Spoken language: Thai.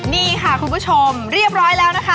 นี่ค่ะคุณผู้ชมเรียบร้อยแล้วนะคะ